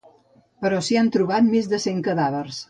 Però s’hi ha trobat més de cent cadàvers.